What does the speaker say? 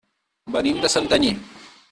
Venim de Santanyí.